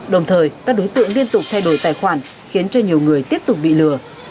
đồng thời các đối tượng liên tục thay đổi tài khoản khiến cho nhiều người tiếp tục bị lừa